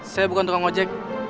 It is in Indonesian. saya bukan tukang ojek